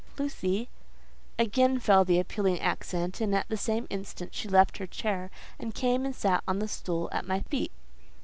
Lucy…." Again fell the appealing accent, and at the same instant she left her chair, and came and sat on the stool at my feet.